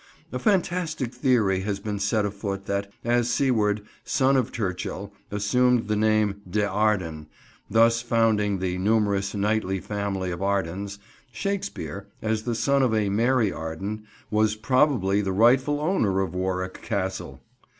A fantastic theory has been set afoot that, as Siward, son of Turchil, assumed the name "de Arden," thus founding the numerous knightly family of Ardens, Shakespeare, as the son of a Mary Arden, was probably the rightful owner of Warwick Castle!